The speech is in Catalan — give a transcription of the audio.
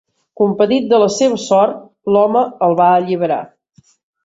Compadit de la seva sort, l'home el va alliberar.